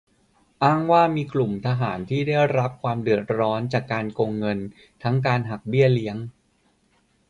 อ้างว่ามีกลุ่มทหารที่ได้รับความเดือดร้อนจากการโกงเงิน ทั้งการหักเบี้ยเลี้ยง